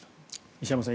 石山さん